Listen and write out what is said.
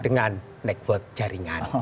dengan network jaringan